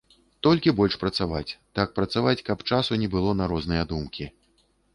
Толькі больш працаваць, так працаваць, каб часу не было на розныя думкі.